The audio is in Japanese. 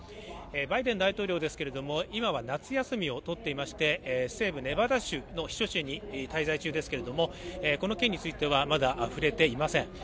バイデン大統領ですけれども、今は夏休みをとっていまして、西部ネバダ州の避暑地に滞在中ですけれども、この件についてはまだ触れていません。